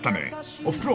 ［おふくろ